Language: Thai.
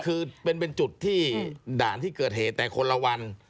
คือเป็นจุดที่ด่านที่เกิดเหตุแต่คนละวัน